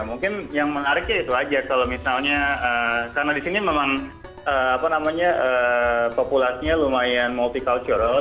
mungkin yang menariknya itu aja kalau misalnya karena disini memang apa namanya populasinya lumayan multicultural